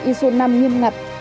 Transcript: iso năm nghiêm ngặt